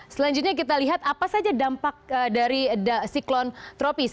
selanjutnya kita lihat apa saja dampak dari siklon tropis